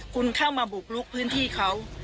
คุณเข้ามาบุกลุกพื้นที่เขา